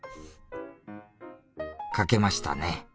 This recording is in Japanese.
書けましたね。